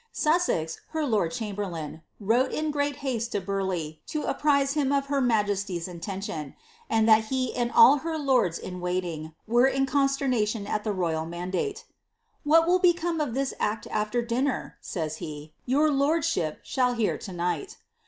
Sussex, her lord chamlierlain, wrote in great haste to Burleigh, to apprise him of her majesty's intention; and that he and all her lords in waiting, were in cons(erna(ion at the royal mandate. VVluil will become of this act after dinner," says he, "your lordship shall heir to nighl."'